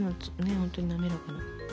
本当に滑らかな。